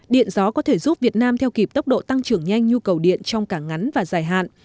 điện gió có thể giúp việt nam theo kịp tốc độ tăng trưởng nhanh nhu cầu điện trong cả ngắn và dài hạn